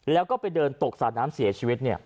แล้วก็ไปเดินตกสระน้ำเสียชีวิต